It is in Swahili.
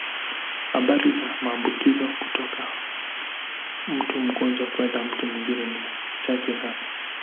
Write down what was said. Habari za maambukizo kutoka mtu mgonjwa kwenda mtu mwingine ni chache sana.